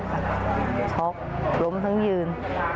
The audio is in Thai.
จัดหลบไมรวรรณีทั้งยืน